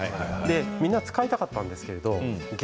みんな使いたかったんですけれど激